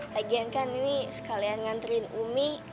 lagian kan ini sekalian nganterin umi